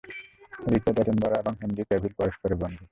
Richard Attenborough এবং Henry Cavill পরস্পরের বন্ধু।